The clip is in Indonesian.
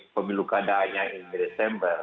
pemilu kadaannya di desember